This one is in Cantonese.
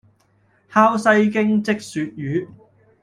烤西京漬鱈魚